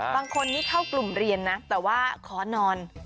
บางคนนี่เข้ากลุ่มเรียนนะแต่ว่าขอนอน